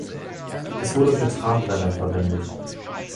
Es wurde für Trabrennen verwendet.